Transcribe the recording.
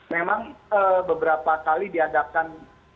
memang beberapa kali diadakan